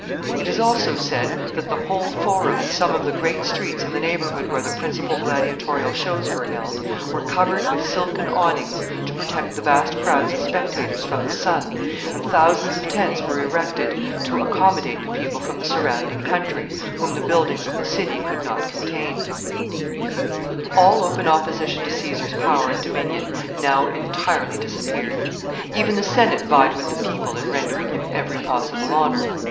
It is also said that the whole Forum, and some of the great streets in the neighborhood where the principal gladiatorial shows were held, were covered with silken awnings to protect the vast crowds of spectators from the sun, and thousands of tents were erected to accommodate the people from the surrounding country, whom the buildings of the city could not contain. [Sidenote: Caesar's power.] [Sidenote: Honors conferred upon him.] All open opposition to Caesar's power and dominion now entirely disappeared. Even the Senate vied with the people in rendering him every possible honor.